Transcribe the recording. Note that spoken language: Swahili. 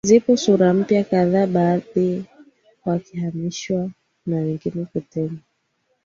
Zipo sura mpya kadhaa baadhi wakihamishwa na wengine kutemwa